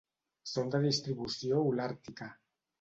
Són de distribució Holàrtica.